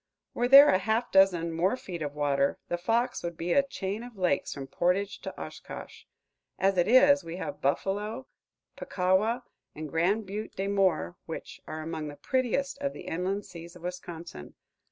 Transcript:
Were there a half dozen more feet of water, the Fox would be a chain of lakes from Portage to Oshkosh. As it is, we have Buffalo, Puckawa, and Grand Butte des Morts, which are among the prettiest of the inland seas of Wisconsin.